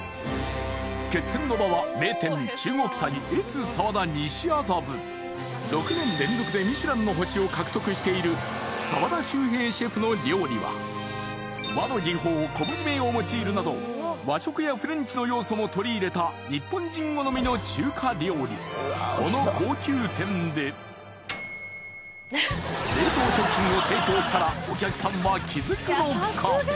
決戦の場は名店６年連続でミシュランの星を獲得している澤田州平シェフの料理は和の技法昆布締めを用いるなど和食やフレンチの要素も取り入れたこの高級店で冷凍食品を提供したらお客さんは気づくのか？